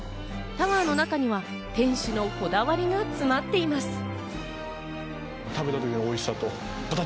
タワーの中には店主のこだわりが詰まっています。